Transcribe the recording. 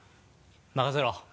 任せろ。